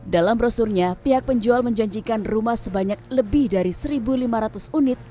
dalam brosurnya pihak penjual menjanjikan rumah sebanyak lebih dari satu lima ratus unit